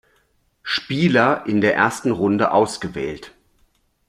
Spieler in der ersten Runde ausgewählt.